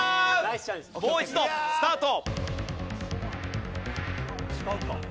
もう一度スタート。